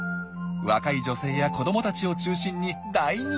若い女性や子どもたちを中心に大人気なんです！